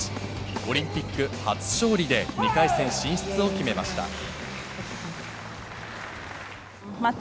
オリンピック初勝利で２回戦進出を決めました。